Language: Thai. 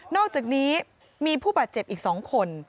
อกจากนี้มีผู้บาดเจ็บอีก๒คน